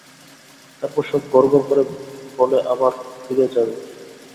তারপর সব গড়গড় করে বলে আবার উড়ে ফিরে যাবে।